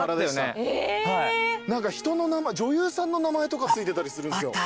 何か女優さんの名前とか付いてたりするんすよ。